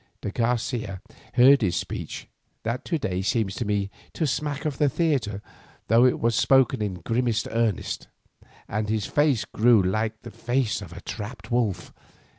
De Garcia heard this speech, that to day seems to me to smack of the theatre, though it was spoken in grimmest earnest, and his face grew like the face of a trapped wolf.